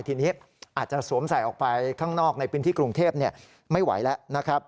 ทีนี้อาจจะสวมใส่ออกไปข้างนอกในพื้นที่กรุงเทพไม่ไหวแล้วนะครับ